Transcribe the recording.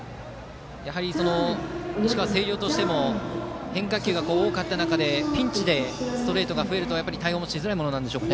やはり石川・星稜としても変化球が多かった中でピンチでストレートが増えると対応もしづらいものでしょうか。